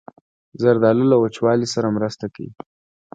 زردالو له وچوالي سره مرسته کوي.